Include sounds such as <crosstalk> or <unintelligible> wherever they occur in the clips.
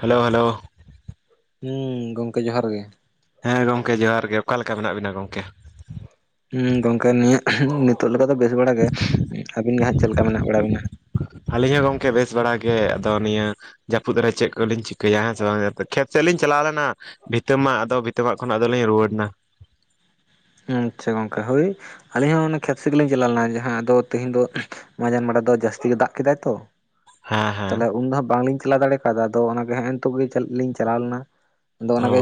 Hello hello ᱦᱩᱸ ᱜᱚᱢᱠᱮ ᱡᱚᱦᱟᱨ ᱜᱮ ᱦᱮᱸ ᱜᱚᱢᱠᱮ ᱡᱚᱦᱟᱨ ᱜᱮ ᱚᱠᱟ ᱞᱮᱠᱟ ᱢᱮᱱᱟᱜ ᱵᱤᱱᱟ ᱜᱚᱢᱠᱮ? ᱜᱚᱝᱠᱮ ᱱᱤᱭᱟᱹ ᱱᱤᱛᱚᱜ ᱞᱮᱠᱟ ᱫᱚ ᱵᱮᱥ ᱵᱟᱲᱟ ᱜᱮ ᱟᱵᱤᱱ ᱜᱮ ᱦᱟᱜ ᱪᱮᱫ ᱞᱮᱠᱟ ᱢᱮᱱᱟᱜ ᱵᱟᱲᱟ ᱵᱤᱱᱟ? ᱟᱹᱞᱤᱧ ᱦᱚᱸ ᱜᱚᱝᱠᱮ ᱵᱮᱥ ᱵᱟᱲᱟᱜ ᱜᱮ ᱟᱫᱚ ᱱᱤᱭᱟᱹ ᱡᱟᱹᱯᱩᱫ ᱨᱮ ᱪᱮᱫ ᱠᱚᱞᱤᱧ ᱪᱤᱠᱟᱹᱭᱟ ᱦᱮᱸ ᱥᱮ ᱵᱟᱝ ᱠᱷᱮᱛ ᱥᱮᱫ ᱞᱤᱧ ᱪᱟᱞᱟᱣ ᱞᱮᱱᱟ᱾ ᱵᱷᱤᱛᱟᱹ ᱢᱟᱜ ᱟᱫᱚ ᱵᱷᱤᱛᱟᱹ ᱢᱟᱜ ᱠᱷᱚᱱᱞᱤᱧ ᱨᱩᱭᱟᱹᱲᱱᱟ᱾ ᱟᱪᱪᱷᱟ ᱜᱚᱝᱠᱮ ᱦᱳᱭ ᱟᱹᱞᱤᱧ ᱦᱚᱸ ᱠᱷᱮᱛᱥᱤ ᱜᱮᱞᱤᱧ ᱪᱟᱞᱟᱣ ᱞᱮᱱᱟ ᱡᱟᱦᱟᱸ ᱟᱫᱚ ᱛᱮᱦᱮᱸᱧ ᱫᱚ ᱢᱟᱡᱟᱱ ᱵᱟᱰᱟ ᱫᱚ ᱡᱟᱹᱥᱛᱤ ᱜᱮ ᱫᱟᱜ ᱠᱮᱫᱟᱭ ᱛᱚᱺ ᱦᱮᱸ ᱦᱮᱸ ᱛᱟᱦᱚᱞᱮ ᱩᱱ ᱫᱚ ᱦᱟᱸᱜ ᱵᱟᱝᱞᱤᱧ ᱪᱟᱞᱟᱣ ᱫᱟᱲᱮ ᱠᱟᱣᱫᱟ ᱟᱫᱚ ᱚᱱᱟᱜᱮ ᱦᱮᱸ ᱱᱤᱛᱚᱜ ᱜᱮᱞᱤᱧ ᱪᱟᱞᱟᱣ ᱞᱮᱱᱟ᱾ ᱟᱫᱚ ᱚ ᱚᱱᱟᱜᱮ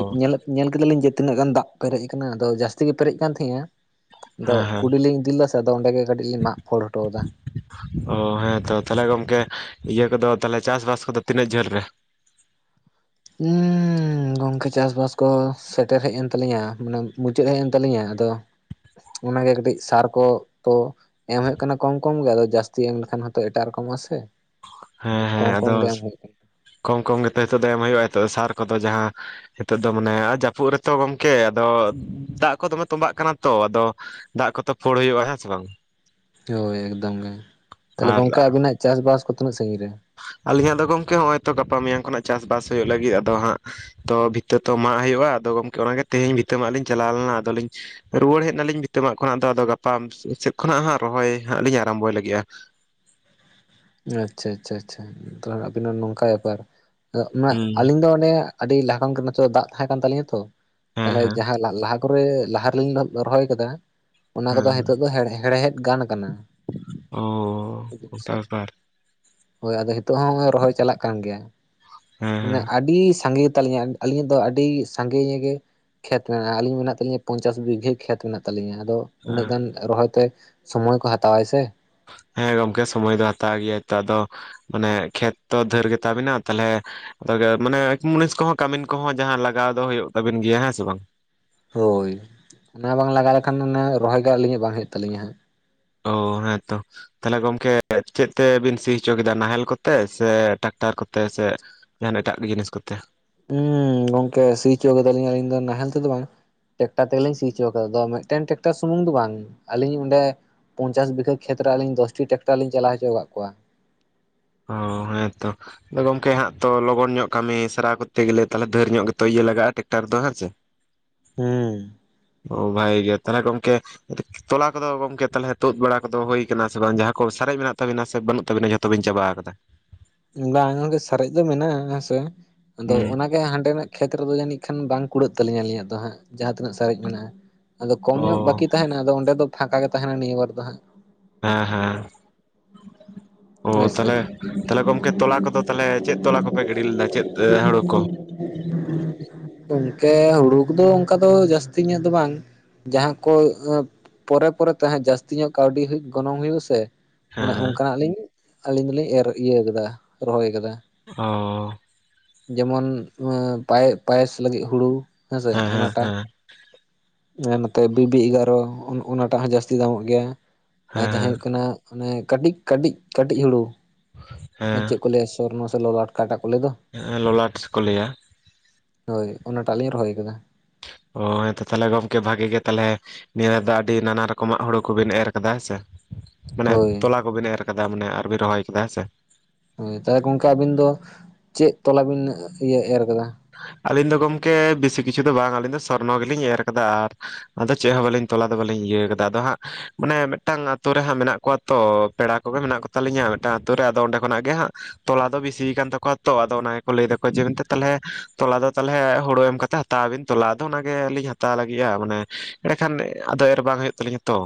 ᱧᱮᱞ ᱠᱮᱫᱟᱞᱤᱧ ᱡᱮ ᱛᱤᱱᱟᱹᱜ ᱜᱟᱱ ᱫᱟᱜ ᱯᱮᱨᱮᱡ ᱟᱠᱟᱱᱟ ᱟᱫᱚ ᱡᱟᱹᱥᱛᱤ ᱜᱮ ᱯᱮᱨᱮᱡᱽ ᱠᱟᱱ ᱛᱟᱸᱦᱤᱜᱼᱟ᱾ ᱟᱫᱚ ᱦᱮᱸ ᱦᱮᱸ ᱠᱩᱰᱤ ᱞᱤᱧ ᱤᱫᱤ ᱞᱮᱫᱟ ᱥᱮ ᱟᱫᱚ ᱚᱸᱰᱮ ᱜᱮ ᱠᱟᱹᱴᱤᱡ ᱞᱤᱧ ᱢᱟᱜ ᱯᱷᱳᱲ ᱦᱚᱴᱚᱫᱟ᱾ ᱚ ᱦᱮᱸᱛᱚ ᱛᱟᱦᱞᱮ ᱜᱚᱢᱠᱮ ᱤᱭᱟᱹ ᱠᱚᱫᱚ ᱛᱟᱦᱞᱮ ᱪᱟᱥᱼᱵᱟᱥ ᱠᱚᱫᱚ ᱛᱤᱱᱟᱹᱜ ᱡᱷᱟᱹᱞ ᱨᱮ? ᱩᱻ ᱩᱸ ᱜᱚᱝᱠᱮ ᱪᱟᱥ-ᱵᱟᱥ ᱠᱚ ᱥᱮᱴᱮᱨ ᱦᱮᱡ ᱮᱱ ᱛᱟᱹᱞᱤᱧᱟ ᱢᱟᱱᱮ ᱢᱩᱪᱟᱹᱫ ᱦᱮᱡ ᱮᱱ ᱛᱟᱞᱤᱧᱟ ᱟᱫᱚ ᱚᱱᱟᱜᱮ ᱠᱟᱹᱴᱤᱡ ᱥᱟᱨ ᱠᱚ ᱛᱚ ᱮᱢ ᱦᱩᱭᱩᱜ ᱠᱟᱱᱟ ᱠᱚᱢ ᱠᱚᱢ ᱜᱮ ᱟᱫᱚ ᱡᱟᱹᱥᱛᱤ ᱮᱢ ᱞᱮᱠᱷᱟᱱ ᱦᱚᱸᱛᱚ ᱮᱴᱟᱜ ᱨᱚᱠᱚᱢ ᱟᱥᱮ᱾ ᱦᱮᱸ ᱦᱮᱸ ᱠᱚᱢ ᱠᱚᱢ ᱟᱫᱚ ᱜᱮ ᱮᱢ ᱦᱳᱭᱳᱜ ᱠᱟᱱᱟ᱾ ᱠᱚᱢ ᱠᱚᱢ ᱜᱮᱛᱚ ᱱᱤᱛᱚᱜ ᱫᱚ ᱮᱢ ᱦᱳᱭᱳᱜᱼᱟ ᱦᱤᱛᱚᱜ ᱥᱟᱨ ᱠᱚᱫᱚ ᱡᱟᱦᱟᱸ ᱱᱤᱛᱚᱜ ᱫᱚ ᱢᱟᱱᱮ ᱡᱟᱹᱯᱩᱫ ᱨᱮᱛᱚ ᱜᱚᱝᱠᱮ ᱟᱫᱚ ᱫᱟᱜ ᱠᱚ ᱫᱚᱢᱮ ᱛᱚᱢᱵᱟᱜ ᱠᱟᱱᱟ ᱛᱚ ᱟᱫᱚ ᱫᱟᱜ ᱠᱚᱛᱚ ᱯᱷᱳᱲ ᱦᱳᱭᱳᱜᱼᱟ ᱵᱟᱝ ᱦᱮᱸ ᱥᱮ ᱵᱟᱝ? ᱦᱳᱭ ᱮᱠᱫᱚᱢ ᱜᱮ ᱛᱟᱦᱚᱞᱮ ᱟᱨ ᱜᱚᱝᱠᱮ ᱟᱵᱤᱱᱟᱜ ᱪᱟᱥ ᱵᱟᱥ ᱠᱚ ᱛᱤᱱᱟᱹᱜ ᱥᱟᱺᱜᱤᱧ ᱨᱮ? ᱟᱹᱞᱤᱧᱟᱜ ᱫᱚ ᱜᱚᱢᱠᱮ ᱦᱚᱸᱜᱼᱚᱭ ᱛᱚ ᱜᱟᱯᱟ ᱢᱮᱭᱟᱝ ᱠᱷᱚᱱᱟᱜ ᱪᱟᱥᱵᱟᱥ ᱦᱩᱭᱩᱜ ᱞᱟᱹᱜᱤᱫ ᱟᱫᱚ ᱦᱟᱸᱜ ᱛᱚ ᱵᱷᱤᱛᱟᱹ ᱛᱚ ᱦᱳᱭᱳᱜᱼᱟ ᱟᱫᱚ ᱜᱚᱝᱠᱮ ᱚᱱᱟᱜᱮ ᱛᱮᱦᱤᱧ ᱵᱷᱤᱛᱟᱹ ᱢᱟᱜ ᱞᱤᱧ ᱪᱟᱞᱟᱣ ᱞᱮᱱᱟ ᱟᱫᱚᱞᱤᱧ ᱨᱩᱣᱟᱹᱲ ᱦᱮᱡ ᱱᱟᱞᱤᱧ ᱵᱷᱤᱛᱟᱹ ᱢᱟᱜ ᱠᱷᱚᱱᱟᱜ ᱫᱚ ᱟᱫᱚ ᱜᱟᱯᱟ ᱥᱮᱫ ᱠᱷᱚᱱᱟᱜ ᱦᱟᱸᱜ ᱨᱚᱦᱚᱭ ᱦᱟᱸᱜ ᱞᱤᱧ ᱟᱨᱟᱢᱵᱚᱭ ᱞᱟᱹᱜᱤᱜᱼᱟ ᱾ ᱟᱪᱪᱷᱟ ᱟᱪᱪᱷᱟ ᱟᱪᱪᱷᱟ ᱛᱚ ᱟᱵᱤᱱᱟᱜ ᱱᱚᱝᱠᱟ ᱵᱮᱯᱟᱨ ᱦᱩᱸ ᱟᱹᱞᱤᱧ ᱫᱚ ᱚᱱᱮ ᱟᱹᱰᱤ ᱞᱟᱦᱟᱠᱷᱚᱱᱜᱮ ᱱᱚᱛᱮ ᱫᱟᱜ ᱛᱟᱦᱮᱸ ᱠᱟᱱ ᱛᱟᱞᱤᱧᱟ ᱛᱚ ᱦᱮᱸ ᱛᱟᱦᱚᱞᱮ ᱦᱮᱸ ᱡᱟᱦᱟᱸ ᱞᱟᱦᱟ ᱠᱚᱨᱮ ᱞᱟᱦᱟ ᱨᱮᱞᱤᱧ ᱨᱚᱦᱚᱭ ᱠᱟᱫᱟ ᱚᱱᱟ ᱠᱚᱫᱚ ᱦᱮᱸ ᱱᱤᱛᱚᱜ ᱫᱚ ᱦᱮ ᱦᱮᱲᱦᱮᱫ ᱜᱟᱱ ᱠᱟᱱᱟ ᱾ ᱚᱻ ᱚᱱᱠᱟ ᱵᱮᱯᱟᱨ᱾ ᱦᱳᱭ ᱟᱫᱚ ᱦᱤᱛᱚᱜ ᱦᱚᱸᱜᱼᱚᱭ ᱨᱚᱦᱚᱭ ᱪᱟᱞᱟᱜ ᱠᱟᱱ ᱜᱮᱭᱟ ᱦᱮᱸ ᱢᱟᱱᱮ ᱦᱮᱸ ᱟᱹᱰᱤ ᱥᱟᱸᱜᱮ ᱜᱮᱛᱟᱞᱤᱧᱟ᱾ ᱟᱹᱞᱤᱧᱟᱜ ᱫᱚ ᱟᱵᱤ ᱥᱟᱸᱜᱮ ᱧᱚᱜ ᱜᱮ ᱠᱷᱮᱛ ᱢᱮᱱᱟᱜᱼᱟ ᱟᱹᱞᱤᱧ ᱢᱮᱱᱟᱜ ᱛᱟᱹᱞᱤᱧᱟ ᱯᱚᱧᱪᱟᱥ ᱵᱤᱜᱷᱟᱹ ᱠᱷᱮᱛ ᱢᱮᱱᱟᱜ ᱛᱟᱹᱞᱤᱧᱟ ᱟᱫᱚ᱾ ᱩᱱᱟᱹᱜ ᱦᱮᱸ ᱜᱟᱱ ᱨᱚᱦᱚᱭᱛᱮ ᱥᱚᱢᱚᱭ ᱠᱚ ᱦᱟᱛᱟᱣᱟᱭ ᱥᱮ? ᱦᱮᱸ ᱜᱚᱢᱠᱮ ᱥᱚᱢᱚᱭ ᱫᱚ ᱦᱟᱛᱟᱣ ᱜᱮᱭᱟ ᱟᱫᱚ ᱢᱟᱱᱮ ᱠᱷᱮᱛ ᱛᱚ ᱰᱷᱮᱨ ᱜᱮᱛᱟᱵᱤᱱᱟ ᱛᱟᱞᱦᱮ ᱟᱫᱚ ᱢᱟᱱᱮ ᱮᱠ ᱢᱩᱱᱤᱥ ᱠᱚᱦᱚᱸ ᱠᱟᱹᱢᱤᱱ ᱠᱚᱦᱚᱸ ᱡᱟᱦᱟᱸ ᱞᱟᱜᱟᱣ ᱫᱚ ᱦᱳᱭᱳᱜ ᱛᱟᱵᱤᱱ ᱜᱮᱭᱟ ᱦᱮᱸ ᱥᱮ ᱵᱟᱝ? ᱦᱳᱭ ᱚᱱᱟ ᱵᱟᱝ ᱞᱟᱜᱟᱣ ᱞᱮᱠᱷᱟᱱ ᱚᱱᱟ ᱨᱚᱦᱚᱭ ᱜᱮ ᱟᱹᱞᱤᱧᱟᱜ ᱵᱟᱝ ᱦᱳᱭᱳᱜ ᱛᱟᱹᱞᱤᱧᱟ ᱦᱟᱸᱜ ᱾ ᱳ ᱦᱮᱸᱛᱚ᱾ ᱛᱟᱦᱚᱞᱮ ᱜᱚᱢᱠᱮ ᱪᱮᱫ ᱛᱮᱵᱤᱱ ᱥᱤ ᱦᱚᱪᱚ ᱠᱮᱫᱟ ᱱᱟᱦᱮᱞ ᱠᱚᱛᱮ ᱥᱮ ᱴᱟᱠᱴᱟᱨ ᱠᱚᱛᱮ ᱥᱮ ᱡᱟᱦᱟᱱ ᱮᱴᱟᱜ ᱡᱤᱱᱤᱥ ᱠᱚᱛᱮ? ᱦᱩᱸ ᱜᱚᱝᱠᱮ ᱥᱤ ᱦᱚᱪᱚ ᱠᱮᱫᱟᱞᱤᱧ ᱟᱹᱞᱤᱧ ᱫᱚ ᱱᱟᱦᱮᱞ ᱛᱮᱫᱚ ᱵᱟᱝ᱾ ᱴᱮᱠᱴᱟᱨ ᱛᱮᱜᱮᱞᱤᱧ ᱥᱤ ᱦᱚᱪᱚ ᱠᱟᱫᱟ ᱟᱫᱚ ᱢᱤᱫᱴᱟᱝ ᱴᱮᱠᱴᱟᱨ ᱥᱩᱢᱩᱝ ᱫᱚ ᱵᱟᱝ ᱟᱹᱞᱤᱧ ᱚᱸᱰᱮ ᱯᱚᱧᱪᱟᱥ ᱵᱤᱜᱷᱟᱹ ᱠᱷᱮᱛ ᱨᱮ ᱟᱞᱤᱧ ᱫᱚᱥᱴᱤ ᱴᱮᱠᱴᱟᱨ ᱞᱤᱧ ᱪᱟᱞᱟᱣᱪᱚ ᱠᱟᱜ ᱠᱚᱣᱟ ᱾ ᱚᱻ ᱦᱮᱸᱛᱚ᱾ ᱟᱫᱚ ᱜᱚᱝᱠᱮ ᱦᱟᱸᱜ ᱛᱚ ᱞᱚᱜᱚᱱ ᱧᱚᱜ ᱠᱟᱹᱢᱤ ᱥᱟᱨᱟᱣ ᱠᱚᱨᱛᱮ ᱜᱮᱞᱮ ᱛᱟᱞᱦᱮ ᱰᱷᱮᱨ ᱧᱚᱜ ᱜᱮᱛᱚ ᱤᱭᱟᱹ ᱞᱟᱜᱟᱜᱼᱟ ᱴᱮᱠᱴᱟᱨ ᱫᱚ ᱦᱮᱸᱥᱮ? <unintelligible> ᱦᱩᱸ᱾ ᱳᱻ ᱵᱷᱟᱜᱮᱜᱮ ᱛᱟᱦᱚᱞᱮ ᱠᱚᱢᱠᱮ ᱛᱚᱞᱟ ᱠᱚᱫᱚ ᱜᱚᱢᱠᱮ ᱛᱟᱦᱚᱞᱮ ᱛᱩᱫ ᱵᱟᱲᱟ ᱠᱚᱫᱚ ᱦᱩᱭ ᱠᱟᱱᱟ ᱥᱮ ᱵᱟᱝ ᱡᱟᱦᱟᱸ ᱠᱚ ᱥᱟᱨᱮᱡ ᱢᱮᱱᱟᱜ ᱛᱟᱹᱵᱤᱱᱟ ᱥᱮ ᱵᱟᱹᱱᱩᱜ ᱛᱟᱹᱵᱤᱱᱟ ᱡᱚᱛᱚᱵᱤᱱ ᱪᱟᱵᱟ ᱠᱟᱫᱟ᱾ ᱵᱟᱝ ᱜᱚᱝᱠᱮ ᱥᱟᱨᱮᱡ ᱫᱚ ᱢᱮᱱᱟᱜᱼᱟ ᱦᱮᱸᱥᱮ ᱟᱫᱚ ᱦᱩᱸ ᱚᱱᱟ ᱜᱮ ᱦᱟᱸᱰᱮᱱᱟᱜ ᱠᱷᱮᱛ ᱨᱮᱫᱚ ᱡᱟᱹᱱᱤᱡ ᱠᱷᱟᱱ ᱵᱟᱝ ᱠᱩᱲᱟᱹᱜ ᱛᱟᱹᱞᱤᱧᱟᱹ ᱟᱹᱞᱤᱧᱟᱜ ᱫᱚ ᱦᱟᱸᱜ᱾ ᱡᱟᱦᱟᱸ ᱛᱤᱱᱟᱹᱜ ᱥᱟᱨᱮᱡ ᱢᱮᱱᱟᱜᱼᱟ᱾ ᱟᱫᱚ ᱠᱚᱢ ᱚ ᱧᱚᱜ ᱵᱟᱹᱠᱤ ᱛᱟᱦᱮᱱᱟ ᱟᱫᱚ ᱚᱸᱰᱮ ᱫᱚ ᱯᱷᱟᱸᱠᱟ ᱜᱮ ᱛᱟᱦᱮᱱᱟ ᱱᱤᱭᱟᱹ ᱵᱟᱨ ᱫᱚ ᱦᱟᱸᱜ᱾ ᱦᱮᱸ ᱦᱮᱸ᱾ ᱚ ᱦᱳᱭᱥᱮ ᱛᱟᱞᱦᱮ ᱛᱟᱦᱚᱞᱮ ᱜᱚᱢᱠᱮ ᱛᱚᱞᱟ ᱠᱚᱫᱚ ᱛᱟᱦᱚᱞᱮ ᱪᱮᱫ ᱛᱚᱞᱟ ᱠᱚᱯᱮ ᱜᱤᱰᱤ ᱞᱮᱫᱟ ᱪᱮᱫ ᱦᱩᱲᱩ ᱠᱚ? <inaudible> ᱜᱚᱝᱠᱮ ᱦᱩᱲᱩ ᱠᱚᱫᱚ ᱚᱝᱠᱟ ᱫᱚ ᱡᱟᱹᱥᱛᱤ ᱧᱚᱜ ᱫᱚ ᱵᱟᱝ᱾ ᱡᱟᱦᱟᱸ ᱠᱚ ᱯᱚᱨᱮ ᱮᱸ ᱯᱚᱨᱮ ᱛᱮ ᱦᱟᱸᱜ ᱡᱟᱹᱥᱛᱤ ᱧᱚᱜ ᱠᱟᱹᱣᱰᱤ ᱦᱩᱭᱩᱜ ᱜᱚᱱᱚᱝ ᱦᱩᱭᱩᱜᱼᱟ ᱥᱮ᱾ ᱚᱱᱟ ᱦᱮᱸ ᱚᱱᱠᱟᱱᱟᱜ ᱞᱤᱧ ᱟᱹᱞᱤᱧ ᱫᱚᱞᱤᱧ ᱮᱨ ᱤᱭᱟᱹ ᱠᱟᱫᱟ ᱨᱚᱦᱚᱭ ᱟᱠᱟᱫᱟ᱾ ᱚ᱾ ᱡᱮᱢᱚᱱ ᱯᱟᱭᱮᱥ ᱞᱟᱹᱜᱤᱫ ᱦᱩᱲᱩ ᱦᱮᱸ ᱥᱮ ᱚᱱᱟᱴᱟᱜ᱾ ᱮᱸ ᱱᱚᱛᱮ ᱵᱤ ᱵᱤ ᱮᱜᱟᱨᱚ ᱚᱱ ᱚᱱᱟᱴᱟᱜ ᱦᱚᱸ ᱡᱟᱹᱥᱛᱤ ᱫᱟᱢᱚᱜ ᱜᱮᱭᱟ᱾ ᱟᱨ ᱡᱟᱦᱟᱸ ᱦᱮᱸ ᱦᱩᱭᱩᱜ ᱠᱟᱱᱟ ᱚᱱᱮ ᱠᱟᱹᱴᱤᱡ ᱠᱟᱹᱴᱤᱡ ᱠᱟᱹᱴᱤᱡ ᱦᱩᱲᱩ ᱦᱮᱸ ᱪᱮᱫ ᱠᱚ ᱞᱟᱹᱭᱟ ᱥᱚᱨᱱᱚ ᱥᱮ ᱞᱚᱞᱚ ᱟᱴᱠᱟᱴᱟ ᱠᱚ ᱞᱟᱹᱭ ᱫᱚ? ᱦᱮᱸ ᱞᱚᱞᱟᱴ ᱠᱚ ᱞᱟᱹᱭᱟ᱾ ᱦᱳᱭ ᱚᱱᱟᱴᱟᱜ ᱞᱤᱧ ᱨᱚᱦᱚᱭ ᱟᱠᱟᱫᱟ᱾ ᱚ ᱦᱮᱸ ᱛᱚ ᱛᱟᱦᱚᱞᱮ ᱜᱚᱢᱠᱮ ᱵᱷᱟᱜᱤ ᱜᱮ ᱛᱟᱞᱦᱮ ᱱᱤᱭᱟᱹ ᱨᱫᱷᱟᱣ ᱫᱚ ᱟᱹᱰᱤ ᱱᱟᱱᱟ ᱨᱚᱠᱚᱢᱟᱜ ᱦᱩᱲᱩ ᱠᱚᱵᱤᱱ ᱮᱨ ᱠᱟᱫᱟ, ᱦᱮᱸ ᱥᱮ? ᱢᱟᱱᱮ ᱦᱳᱭ ᱛᱚᱞᱟ ᱠᱚᱵᱤᱱ ᱮᱨ ᱠᱟᱫᱟ ᱢᱟᱱᱮ ᱟᱨᱵᱤᱱ ᱨᱚᱦᱚᱭ ᱟᱠᱟᱫᱟ, ᱦᱮᱸ ᱥᱮ? ᱦᱳᱭ ᱛᱟᱦᱚᱞᱮ ᱜᱚᱝᱠᱮ ᱟᱹᱵᱤᱱ ᱫᱚ ᱪᱮᱫ ᱛᱚᱞᱟ ᱵᱤᱱ ᱤᱭᱟᱹ ᱮᱨ ᱠᱟᱫᱟ? ᱟᱹᱞᱤᱧ ᱫᱚ ᱜᱚᱢᱠᱮ ᱵᱮᱥᱤ ᱠᱤᱪᱷᱩ ᱫᱚ ᱵᱟᱝ ᱟᱞᱤᱧ ᱫᱚ ᱥᱚᱨᱱᱚ ᱜᱮᱞᱤᱧ ᱮᱨ ᱟᱠᱟᱫᱟ ᱟᱨ ᱟᱫᱚ ᱪᱮᱫ ᱦᱚᱸ ᱵᱟᱹᱞᱤᱧ ᱛᱚᱞᱟ ᱫᱚ ᱵᱟᱹᱞᱤᱧ ᱤᱭᱟᱹᱣ ᱠᱟᱫᱟ᱾ ᱟᱫᱚ ᱦᱟᱸᱜ ᱢᱟᱱᱮ ᱢᱤᱫᱴᱟᱝ ᱟᱛᱳ ᱨᱮ ᱦᱟᱸᱜ ᱢᱮᱱᱟᱜ ᱠᱚᱣᱟ ᱛᱚ᱾ ᱯᱮᱲᱟ ᱠᱚᱜᱮ ᱢᱮᱱᱟᱜ ᱠᱚᱛᱟᱞᱤᱧᱟ ᱢᱤᱫᱴᱟᱝ ᱟᱛᱳ ᱨᱮ ᱟᱫᱚ ᱚᱸᱰᱮ ᱠᱷᱚᱱᱟᱜ ᱜᱮ ᱦᱟᱸᱜ ᱛᱚᱞᱟ ᱫᱚ ᱵᱤᱥᱤᱭ ᱠᱟᱱ ᱛᱟᱠᱚᱣᱟ ᱛᱚ ᱟᱫᱚ ᱚᱱᱟ ᱜᱮᱠᱚ ᱞᱟᱹᱭ ᱫᱟᱠᱚᱣᱟ ᱡᱮ ᱢᱮᱱᱛᱮ ᱛᱟᱞᱦᱮ ᱛᱚᱞᱟ ᱫᱚ ᱛᱟᱦᱚᱞᱮ ᱦᱩᱲᱩ ᱮᱢ ᱠᱟᱛᱮ ᱦᱟᱛᱟᱣᱵᱤᱱ᱾ ᱛᱚᱞᱟ ᱫᱚ ᱚᱱᱟᱜᱮ ᱞᱤᱧ ᱦᱟᱛᱟᱣ ᱞᱟᱹᱜᱤᱫᱼᱟ ᱢᱟᱱᱮ ᱮᱸᱲᱮᱠᱷᱟᱱ ᱟᱫᱚ ᱮᱨ ᱵᱟᱝ ᱦᱩᱭᱩᱜ ᱛᱟᱹᱟᱞᱤᱧᱟ ᱛᱚ᱾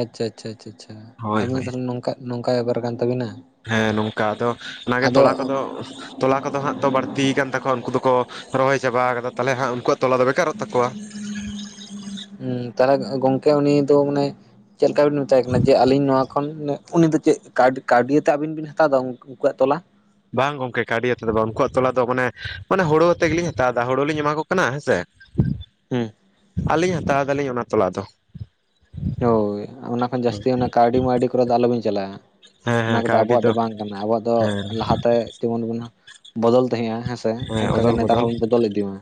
ᱟᱪᱪᱷᱟ ᱟᱪᱪᱷᱟ ᱟᱪᱷᱟ ᱪᱷᱟ ᱦᱳᱭ ᱟᱵᱤᱱ ᱦᱳᱭ ᱫᱟ ᱭᱟᱦᱞᱮ ᱱᱟᱜᱠᱟ ᱱᱚᱝᱠᱟᱭ ᱵᱮᱯᱟᱨ ᱠᱟᱱ ᱛᱟᱹᱵᱤᱱᱟ᱾ ᱦᱮᱸ ᱱᱚᱝᱠᱟ ᱟᱫᱚ ᱚᱱᱟᱜᱮ ᱟᱫᱚ ᱛᱚᱞᱟ ᱠᱚᱫᱚ ᱛᱚᱞᱟ ᱠᱚᱫᱚ ᱦᱟᱸᱜ ᱛᱚ ᱵᱟᱹᱲᱛᱤᱭ ᱠᱟᱱᱟ ᱛᱟᱠᱚᱣᱟ ᱩᱱᱠᱩ ᱫᱚᱠᱚ ᱨᱚᱦᱚᱭ ᱪᱟᱵᱟ ᱟᱠᱟᱫᱟ ᱛᱟᱦᱚᱞᱮ ᱦᱟᱸᱜ ᱩᱱᱠᱩᱣᱟᱜ ᱛᱚᱞᱟ ᱫᱚ ᱵᱮᱠᱟᱨᱚᱜ ᱛᱟᱠᱚᱣᱟ᱾ ᱦᱩᱸ᱾ ᱛᱟᱞᱦᱮ ᱜᱚᱝᱠᱮ ᱩᱱᱤ ᱫᱚ ᱢᱟᱱᱮ ᱪᱮᱫᱞᱮᱠᱟ ᱵᱤᱱ ᱢᱮᱛᱟᱭ ᱠᱟᱱᱟ ᱡᱮ ᱟᱞᱤᱧ ᱱᱚᱣᱟ ᱠᱷᱚᱱ ᱱᱤᱱᱟᱹᱜ ᱩᱱ ᱫᱚ ᱪᱮᱫ ᱠᱟᱹᱣᱰᱤ ᱠᱟᱹᱣᱰᱤ ᱟᱛᱮᱜ ᱟᱹᱵᱤᱱ ᱵᱤᱱ ᱦᱟᱛᱟᱣᱫᱟ ᱩᱱᱠᱩᱣᱟᱜ ᱛᱚᱞᱟ? ᱵᱟᱝ ᱜᱚᱝᱠᱮ ᱠᱟᱹ ᱰᱤ ᱟᱛᱮᱫ ᱫᱚ ᱵᱟᱝ᱾ ᱩᱱᱠᱩᱣᱟᱜ ᱛᱚᱞᱟ ᱫᱚ ᱢᱟᱱᱮ ᱢᱟᱱᱮ ᱦᱟᱲᱩ ᱟᱛᱮ ᱜᱮᱞᱤᱧ ᱦᱟᱛᱟᱣᱫᱟ᱾ ᱦᱩᱲᱩ ᱞᱤᱧ ᱮᱢᱟ ᱠᱚ ᱠᱟᱱᱟ ᱦᱮᱸ ᱥᱮ? <inaudible> ᱦᱮᱸ᱾ ᱟᱹᱞᱤᱧ ᱦᱟᱛᱟᱣ ᱫᱟᱞᱤᱧ ᱚᱱᱟ ᱛᱚᱞᱟ ᱫᱚ᱾ ᱦᱳᱭ ᱚᱱᱟ ᱠᱷᱚᱱ ᱦᱮᱸ ᱡᱟᱹᱥᱛᱤ ᱚᱱᱟ ᱠᱟᱹᱣᱰᱤ-ᱢᱟᱣᱰᱤ ᱠᱚᱨᱮ ᱫᱚ ᱟᱞᱚᱵᱤᱱ ᱪᱟᱞᱟᱜᱼᱟ᱾ ᱚᱱᱟ ᱦᱮᱸ ᱠᱚᱫᱚ ᱠᱟᱹᱣᱰᱤ ᱟᱵᱚᱣᱟᱜ ᱫᱚ ᱵᱟᱝ ᱠᱟᱱᱟ᱾ ᱟᱵᱚᱣᱟᱜ ᱫᱚ ᱦᱮᱸ ᱞᱟᱦᱟᱛᱮ ᱡᱢᱚᱱ ᱵᱚᱱ ᱵᱚᱫᱚᱞ ᱛᱟᱦᱮᱸᱜᱼᱟ ᱦᱮᱸᱥᱮ᱾ ᱦᱮᱸ ᱚᱱᱠᱟᱜᱮ ᱚᱫᱚᱞ ᱱᱮᱛᱟᱨ ᱦᱚᱸᱵᱚᱱ ᱵᱚᱫᱚᱞ ᱤᱫᱤ ᱢᱟ᱾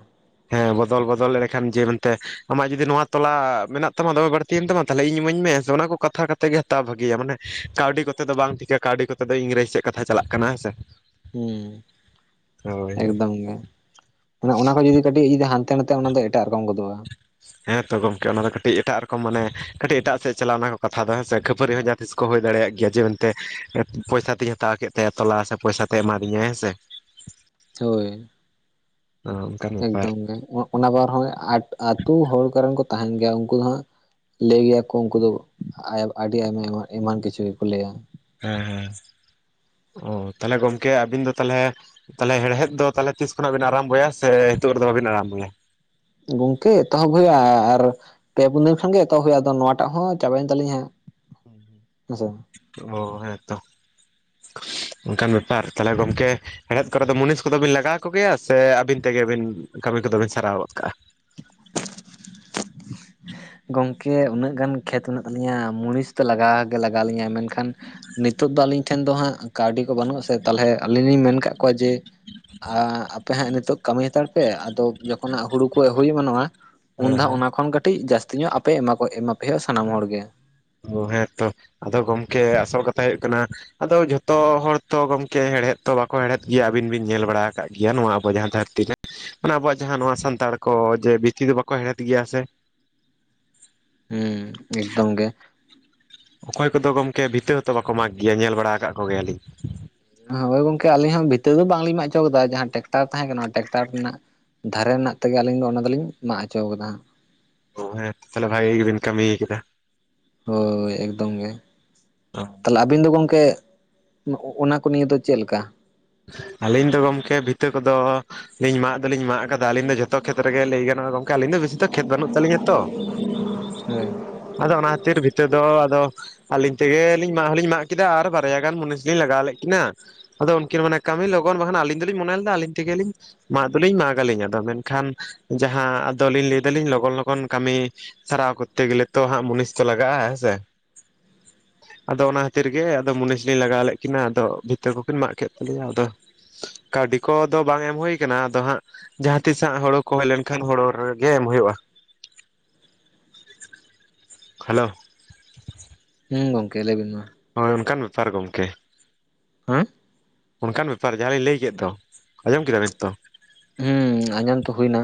ᱦᱮᱸ ᱵᱚᱫᱚᱞ ᱵᱚᱫᱚᱞ ᱮᱱᱰᱮᱠᱷᱟᱱ ᱡᱮ ᱢᱮᱱᱛᱮ ᱟᱢᱟᱜ ᱡᱩᱫᱤ ᱱᱚᱣᱟ ᱛᱚᱞᱟ ᱢᱮᱱᱟᱜ ᱛᱟᱢᱟ ᱫᱚᱢᱮ ᱵᱟᱲ ᱛᱤᱭᱮᱱ ᱛᱟᱢᱟ ᱛᱟᱞᱦᱮ ᱤᱧ ᱤᱢᱟᱹᱢ ᱢᱮ ᱦᱮᱸᱥᱮ ᱚᱱᱟ ᱠᱚ ᱠᱟᱛᱷᱟ ᱠᱟᱛᱮ ᱜᱮ ᱦᱟᱛᱟᱣ ᱵᱷᱟᱜᱮᱤᱭᱟ ᱢᱟᱱᱮ ᱠᱟᱹᱣᱰᱤ ᱠᱚᱛᱮ ᱫᱚ ᱵᱟᱝ ᱴᱷᱤᱠᱟᱹᱜ᱾ ᱠᱟᱹᱣᱰᱤ ᱠᱚᱛᱮ ᱫᱚ ᱤᱝᱨᱮᱡᱽ ᱥᱮᱫ ᱠᱟᱛᱷᱟ ᱪᱟᱞᱟᱜ ᱠᱟᱱᱟ ᱦᱮᱸ ᱥᱮ᱾ ᱦᱩᱸ᱾ ᱦᱳᱭ ᱦᱳᱭ ᱮᱠᱫᱚᱢ ᱜᱮ᱾ ᱢᱟᱱᱮ ᱚᱱᱟ ᱠᱚ ᱡᱩᱫᱤ ᱠᱟᱹᱴᱤᱡ ᱡᱩᱫᱤ ᱦᱟᱱ ᱛᱮ ᱱᱟᱛᱮᱜ-ᱟ, ᱚᱱᱟ ᱫᱚ ᱮᱴᱟᱜ ᱨᱚᱠᱚᱢ ᱜᱚᱫᱩᱜᱼᱟ᱾ <inaudible> ᱦᱮᱸ ᱛᱚ ᱜᱚᱢᱠᱮ ᱚᱱᱟ ᱫᱚ ᱠᱟᱹᱴᱤᱡ ᱮᱴᱟᱜ ᱨᱚᱠᱚᱢ ᱢᱟᱱᱮ ᱠᱟᱹᱴᱤᱡ ᱮᱴᱟᱜ ᱥᱮᱫ ᱪᱟᱞᱟ-ᱟ ᱚᱱᱟ ᱠᱚᱛᱷᱟ ᱫᱚ ᱦᱮᱸ ᱥᱮ᱾ ᱠᱷᱟᱹᱯᱟᱹᱨᱤ ᱦᱚᱸ ᱡᱟᱦᱟᱸ ᱛᱤᱥ ᱠᱚ ᱦᱩᱭ ᱫᱟᱲᱮᱭᱟᱜ ᱜᱮᱭᱟ ᱡᱮ ᱢᱮᱱᱛᱮ ᱯᱚᱭᱥᱟ ᱛᱧ ᱦᱟᱛᱟᱣ ᱠᱮᱫ ᱛᱟᱭᱟ ᱛᱚᱞᱟ ᱥᱮ ᱯᱚᱭᱥᱟᱛᱮᱭ ᱮᱢᱟᱫᱤᱧᱟᱭ ᱦᱮᱸ ᱥᱮ᱾ ᱦᱳᱭ᱾ ᱚ ᱮᱠᱫᱚᱢ ᱜᱮ ᱚᱱᱟ ᱵᱟᱨ ᱦᱚᱸ ᱟ-ᱟᱛᱳ ᱦᱚᱲ ᱠᱚᱨᱮᱱ ᱠᱚ ᱛᱟᱦᱮᱱ ᱜᱮᱭᱟ ᱩᱝᱠᱩ ᱫᱚ ᱦᱟᱸᱜ ᱞᱟᱹᱭ ᱜᱮᱭᱟᱠᱚ ᱩᱱᱠᱩ ᱫᱚ ᱟᱹᱰᱤ ᱟᱭᱢᱟ ᱮᱢᱟᱱ ᱠᱤᱪᱷᱩ ᱜᱮᱠᱚ ᱞᱟᱹᱭᱟ᱾ ᱦᱮᱸ ᱦᱮᱸ ᱚ ᱛᱟᱦᱚᱞᱮ ᱜᱚᱝᱠᱮ ᱟᱵᱤᱱ ᱫᱚ ᱛᱟᱞᱦᱮ ᱛᱟᱦᱚᱞᱮ ᱦᱮᱲᱦᱮᱫ ᱫᱚ ᱛᱟᱦᱮ ᱛᱤᱥ ᱠᱷᱚᱱᱟᱜ ᱵᱤᱱ ᱟᱨᱟᱢᱵᱚᱭᱟ ᱥᱮ ᱱᱤᱛᱚᱜᱜ ᱨᱮᱫᱚ ᱵᱟᱵᱤᱱ ᱟᱨᱟᱢᱵᱚᱭᱟ? ᱜᱚᱝᱠᱮ ᱮᱛᱚᱦᱚᱵ ᱦᱳᱭᱳᱜᱼᱟ ᱟ-ᱟᱨ ᱯᱮ ᱯᱩᱱ ᱫᱤᱱ ᱠᱷᱚᱱᱜ ᱜᱮ ᱮᱛᱚᱦᱚᱵ ᱦᱩᱭᱩᱜᱼᱟ ᱟᱫᱚ ᱱᱚᱣᱟᱴᱟᱜ ᱦᱚᱸ ᱪᱟᱵᱟᱭᱮᱱ ᱛᱟᱞᱤᱧᱟ ᱦᱟᱸᱜ ᱦᱮᱸᱥᱮ᱾ ᱚ ᱦᱮᱸᱛᱚ ᱚᱱᱠᱟᱱ ᱵᱮᱯᱟᱨ ᱛᱟᱦᱚᱞᱮ ᱜᱚᱢᱠᱮ ᱦᱮᱲᱦᱮᱫ ᱠᱚᱨᱮ ᱫᱚ ᱠᱚᱫᱚ ᱵᱤᱱ ᱞᱟᱜᱟᱣ ᱠᱚᱜᱮᱭᱟ ᱟᱹᱵᱤᱱ ᱛᱮᱜᱮ ᱟᱵᱤᱱ ᱠᱟᱹᱢᱤ ᱠᱚᱫᱚ ᱵᱤᱱ ᱥᱟᱨᱟᱣ ᱜᱚᱫ ᱠᱟᱜᱼᱟ᱾ ᱜᱚᱝᱠᱮ ᱩᱱᱟᱹᱜ ᱜᱟᱱ ᱠᱷᱮᱛ ᱢᱮᱱᱟᱜ ᱛᱟᱞᱤᱧᱟ ᱢᱩᱲᱤᱥ ᱫᱚ ᱞᱟᱜᱟᱣᱮ ᱞᱟᱜᱟᱣ ᱞᱤᱧᱟᱭ ᱢᱮᱱ ᱮᱠᱷᱟᱱ ᱱᱤᱛᱚᱜ ᱫᱚ ᱟᱹᱞᱤᱧ ᱴᱷᱮᱱ ᱫᱚ ᱦᱟᱸᱜ ᱠᱟᱹᱣᱰᱤ ᱠᱚ ᱵᱟᱹᱱᱩᱜ ᱟᱥᱮ ᱛᱟᱦᱚᱞᱮ ᱟᱹᱞᱤᱧ ᱞᱤᱧ ᱢᱮᱱ ᱠᱟᱜ ᱠᱚᱣᱟ ᱡᱮ ᱟᱯᱮ ᱦᱟᱸᱜ ᱱᱤᱛᱚᱜ ᱠᱟᱹᱢᱤ ᱦᱟᱛᱟᱲ ᱯᱮ ᱟᱫᱚ ᱡᱚᱠᱷᱚᱱᱟᱜ ᱦᱩᱲᱩ ᱠᱚ ᱦᱩᱭ ᱢᱟᱱᱚᱜᱼᱟ ᱦᱮᱸ ᱦᱮᱸ ᱩᱱᱫᱷᱟᱣ ᱚᱱᱟ ᱠᱷᱚᱱ ᱠᱟᱹᱴᱤᱡ ᱡᱟᱹᱥᱛᱤ ᱧᱚᱜ ᱟᱯᱮ ᱮᱢᱟ ᱠᱚ ᱮᱢᱟ ᱯᱮ ᱦᱩᱭᱩᱜ ᱥᱟᱱᱟᱢ ᱦᱚᱲᱜᱮ᱾ ᱚ ᱦᱮᱸᱛᱚ ᱟᱫᱚ ᱜᱚᱢᱠᱮ ᱟᱥᱚᱞ ᱠᱟᱛᱷᱟ ᱦᱳᱭᱳᱜ ᱠᱟᱱᱟ᱾ ᱟᱫᱚ ᱡᱷᱚᱛᱚ ᱦᱚᱲ ᱛᱚ ᱜᱚᱝᱠᱮ ᱦᱮᱲᱦᱮᱫ ᱛᱚ ᱫᱚ ᱦᱮᱲᱦᱮᱫ ᱜᱮᱭᱟ ᱟᱹᱵᱤᱱ ᱵᱤᱱ ᱧᱮᱞ ᱵᱟᱲᱟ ᱠᱟᱜ ᱜᱮᱭᱟ ᱱᱚᱣᱟ ᱟᱵᱚ ᱡᱟᱦᱟᱸ ᱫᱷᱟᱹᱨᱛᱤ ᱨᱮ ᱢᱟᱱᱮ ᱟᱵᱚᱣᱟᱜ ᱡᱟᱦᱟᱸ ᱱᱚᱣᱟ ᱥᱟᱱᱛᱟᱲ ᱠᱚ ᱡᱮ ᱵᱤᱥᱛᱤ ᱫᱚ ᱵᱟᱠᱚ ᱦᱮᱲᱦᱮᱫ ᱜᱮᱭᱟ ᱥᱮ᱾ ᱦᱩᱸ ᱮᱠᱫᱚᱢ ᱜᱮ᱾ ᱚᱠᱚᱭ ᱠᱚᱫᱚ ᱜᱚᱝᱠᱮ ᱵᱷᱤᱛᱟᱹ ᱦᱚᱸᱛᱚ ᱵᱟᱠᱚ ᱢᱟᱜᱽ ᱜᱮᱭᱟ ᱧᱮᱞ ᱵᱟᱲᱟ ᱠᱟᱜ ᱠᱚᱜᱮᱭᱟᱞᱤᱧ᱾ ᱦᱳᱭ ᱜᱚᱝᱠᱮ ᱟᱹᱞᱤᱧ ᱦᱚᱸ ᱵᱷᱤᱛᱟᱹᱨ ᱫᱚ ᱵᱟᱝᱞᱤᱧ ᱮᱟᱜ ᱦᱚᱪᱚ ᱠᱮᱫᱟ ᱡᱟᱦᱟᱸ ᱴᱮᱠᱴᱟᱨ ᱛᱟᱦᱮᱸ ᱠᱟᱱᱟ ᱚᱱᱟ ᱴᱮᱠᱴᱟᱨ ᱨᱮᱱᱟᱜ ᱫᱷᱟᱨᱮ ᱨᱮᱱᱟᱜ ᱛᱮᱜᱮ ᱟᱹᱞᱤᱧ ᱫᱚ ᱚᱱᱟ ᱫᱚᱞᱤᱧ ᱢᱟᱜ ᱦᱚᱪᱚ ᱠᱟᱫᱟ᱾ ᱚ ᱦᱮᱸ ᱛᱟᱦᱚᱞᱮ ᱵᱷᱟᱜᱤ ᱜᱮᱵᱤᱱ ᱠᱟᱹᱢᱤᱭ ᱠᱮᱫᱟ᱾ ᱦᱳᱭ ᱮᱠᱫᱚᱢ ᱜᱮ᱾ ᱛᱟᱦᱚᱞᱮ ᱟᱵᱤᱱ ᱫᱚ ᱜᱚᱝᱠᱮ ᱚᱱᱟ ᱠᱚ ᱱᱤᱭᱟᱹ ᱫᱚ ᱪᱮᱫ ᱞᱮᱠᱟ? ᱟᱹᱞᱤᱧ ᱫᱚ ᱜᱚᱢᱠᱮ ᱵᱷᱤᱛᱟᱹ ᱠᱚᱫᱚ ᱞᱤᱧ ᱢᱟᱜ ᱫᱚᱞᱤᱧ ᱢᱟᱜ ᱠᱟᱫᱟ ᱟᱞᱤᱧ ᱫᱚ ᱡᱷᱚᱛᱚ ᱠᱷᱮᱛᱨᱮᱜᱮ ᱞᱟᱹᱭ ᱜᱚᱝ ᱟᱹᱞᱤᱧ ᱫᱚ ᱵᱮᱥᱤ ᱫᱚ ᱠᱷᱮᱛ ᱵᱟᱹᱱᱩᱜ ᱛᱟᱹᱞᱤᱧᱟ ᱛᱚ᱾ ᱦᱳᱭ ᱟᱫᱚ ᱚᱱᱟ ᱛᱤᱨ ᱵᱷᱤᱛᱟᱹ ᱫᱚ ᱟᱫᱚ ᱟᱹᱞᱤᱧ ᱛᱮᱜᱮᱞᱤᱧ ᱢᱟᱜ ᱦᱚᱞᱤᱧ ᱢᱟᱜ ᱠᱮᱫᱟ ᱟᱨ ᱵᱟᱨᱭᱟ ᱜᱟᱱ ᱢᱩᱱᱤᱥ ᱞᱤᱧ ᱞᱟᱜᱟᱣ ᱞᱮᱫ ᱠᱤᱱᱟ ᱟᱫᱚ ᱠᱤᱱ ᱢᱟᱱᱮ ᱠᱟᱹᱢᱤ ᱞᱚᱜᱚᱱ ᱵᱟᱝᱠᱷᱟᱱ ᱟᱹᱞᱤᱧ ᱫᱚᱞᱤᱧ ᱢᱚᱱᱮ ᱞᱮᱫᱟ ᱟᱹᱞᱤᱧ ᱛᱮᱜᱮᱞᱤᱧ ᱢᱟᱜ ᱫᱚᱞᱤᱧ ᱢᱟᱜᱽ ᱟᱹᱞᱤᱧ ᱟᱫᱚ ᱢᱮᱱᱠᱷᱟᱱ ᱡᱟᱦᱟᱸ ᱟᱫᱚᱞᱤᱧ ᱞᱟᱹᱭ ᱫᱟᱞᱤᱧ ᱞᱚᱜᱚᱱ ᱞᱚᱜᱚᱱ ᱠᱟᱹᱢᱤ ᱥᱟᱨᱟᱣ ᱠᱚᱨᱛᱮ ᱜᱮᱞᱮ ᱛᱚ ᱦᱟᱸᱜ ᱢᱩᱱᱤᱥ ᱛᱚ ᱞᱟᱜᱟᱜᱼᱟ ᱦᱮᱸ ᱥᱮ᱾ ᱟᱫᱚ ᱚᱱᱟ ᱠᱷᱟᱹᱛᱤᱨ ᱜᱮ ᱟᱫᱚ ᱢᱩᱱᱤᱥᱤᱧ ᱞᱟᱜᱟᱣ ᱞᱮᱫ ᱠᱤᱱᱟ ᱟᱫᱚ ᱵᱷᱤᱛᱤᱨ ᱠᱚᱠᱤᱱ ᱢᱟᱜ ᱠᱮᱫ ᱟᱫᱚ ᱠᱟᱹᱣᱰᱤ ᱠᱚᱫᱚ ᱵᱟᱝ ᱮᱢ ᱦᱩᱭᱩ ᱠᱟᱱᱟ ᱟᱫᱚ ᱦᱟᱸᱜ ᱡᱟᱦᱟᱸ ᱛᱤᱥᱟᱸᱜ ᱦᱳᱲ ᱠᱚ ᱦᱩᱭ ᱞᱮᱱᱠᱷᱟᱱ ᱦᱲᱚ ᱨᱮᱜᱮ ᱮᱢ ᱦᱳᱭᱳᱜᱼᱟ ᱾ ᱦᱮᱞᱳ᱾ ᱦᱩᱸ ᱜᱚᱝᱠᱮ ᱞᱮᱵᱤᱱ ᱢᱟ᱾ ᱦᱳᱭ ᱚᱝᱠᱟᱱ ᱵᱮᱯᱟᱨ ᱜᱚᱝᱠᱮ᱾ ᱟᱸ᱾ ᱚᱱᱠᱟᱱ ᱵᱮᱯᱟᱨ ᱡᱟᱦᱟᱸ ᱞᱤᱧ ᱞᱟᱹᱭ ᱠᱮᱫ ᱫᱚ ᱟᱸᱡᱚᱢ ᱠᱮᱫᱟ ᱵᱮᱤᱱ ᱛᱚ᱾ ᱦᱮᱸ ᱟᱸᱡᱚᱢ ᱛᱚ ᱦᱩᱭᱱᱟ᱾